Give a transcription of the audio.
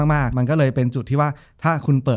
จบการโรงแรมจบการโรงแรม